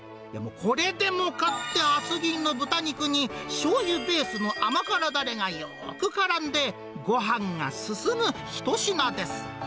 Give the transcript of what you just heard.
これでもかって厚切りの豚肉に、しょうゆベースの甘辛だれがよーくからんで、うん！